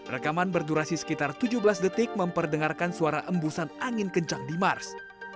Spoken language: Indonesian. rekaman berdurasi sekitar tujuh belas detik memperdengarkan suara embusan angin kencang di mars